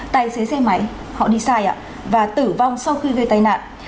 tài xế xe máy họ đi sai ạ và tử vong sau khi gây tai nạn